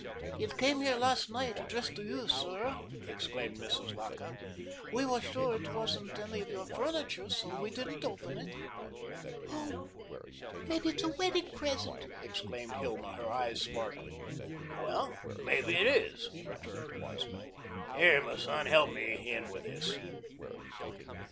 "It came here last night, addressed to you, sir," exclaimed Mrs. Vacca. "We were sure it wasn't any of your furniture, so we didn't open it." "Oh, maybe it's a wedding present," exclaimed Hilma, her eyes sparkling. "Well, maybe it is," returned her husband. "Here, m' son, help me in with this."